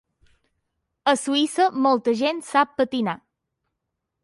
A Suïssa molta gent sap patinar.